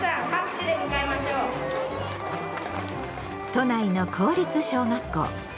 都内の公立小学校。